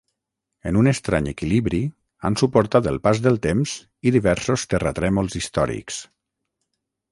En un estrany equilibri, han suportat el pas del temps i diversos terratrèmols històrics.